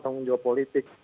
tanggung jawab politik